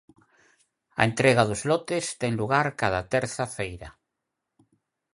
A entrega dos lotes ten lugar cada terza feira.